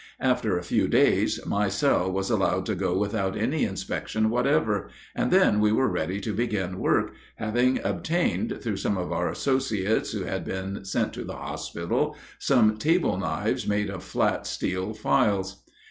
After a few days my cell was allowed to go without any inspection whatever, and then we were ready to begin work, having obtained, through some of our associates who had been sent to the hospital, some table knives made of flat steel files.